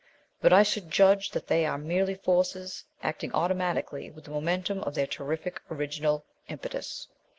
But I should judge that they are merely forces acting automatically with the momentum of their terrific original impetus."